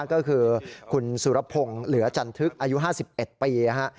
ก็คือคุณสุรพงศ์เหลือจันทึกอายุห้าสิบเอ็ดปีนะฮะ